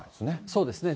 そうですね。